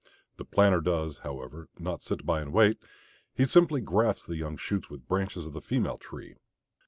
The planter does, however, not sit by and wait; he simply grafts the young shoots with branches of the female tree.